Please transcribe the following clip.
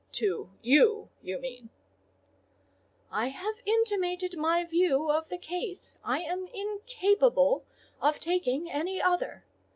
"To you, you mean." "I have intimated my view of the case: I am incapable of taking any other.